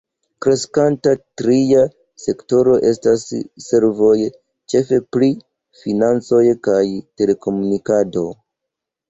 Kreskanta tria sektoro estas servoj, ĉefe pri financoj kaj telekomunikado.